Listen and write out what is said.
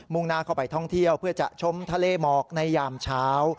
่งหน้าเข้าไปท่องเที่ยวเพื่อจะชมทะเลหมอกในยามเช้า